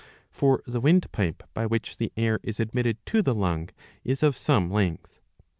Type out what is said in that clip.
For the windpipe by which the air is admitted to the lung is of some length.